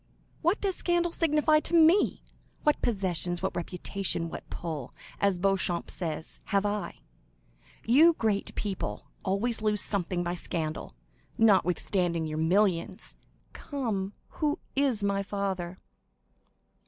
What does scandal signify to me? What possessions, what reputation, what 'pull,' as Beauchamp says,—have I? You great people always lose something by scandal, notwithstanding your millions. Come, who is my father?"